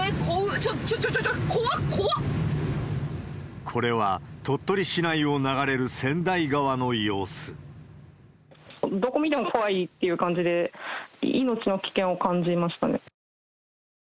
ちょっとちょっと、怖、これは、鳥取市内を流れる千どこ見ても怖いっていう感じで、命の危険を感じましたね。